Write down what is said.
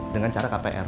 dengan cara kpr